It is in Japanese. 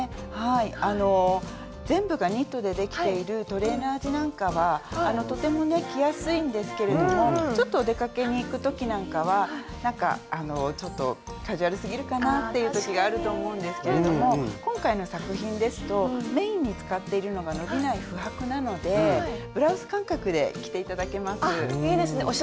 はいあの全部がニットでできているトレーナー地なんかはとてもね着やすいんですけれどもちょっとお出かけに行く時なんかはなんかちょっとカジュアルすぎるかなっていう時があると思うんですけれども今回の作品ですとメインに使っているのが伸びない布帛なのでブラウス感覚で着て頂けます。